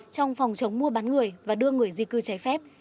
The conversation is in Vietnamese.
trong phòng chống mua bán người và đưa người di cư trái phép